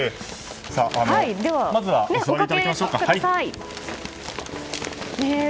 まずはお座りいただきましょうか。